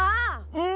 うん⁉